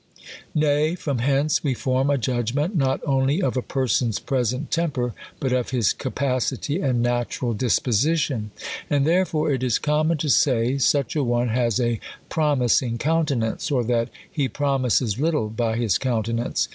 Nay, from hence we form a judgment not only of a per son's present temper, but of his capacity and natural disposition. And therefore it is common to say, such a one has a " promising countenance,"^ or that " he promises little by his countenance."